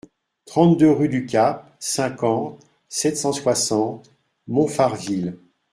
trente-deux rue du Cap, cinquante, sept cent soixante, Montfarville